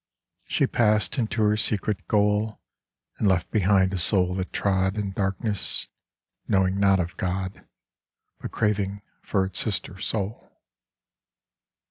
She passed into her secret goal, And left behind a soul that trod In darkness, knowing not of God, But craving for its sister soul.